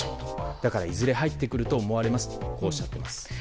だからいずれ入ってくると思われますとおっしゃっています。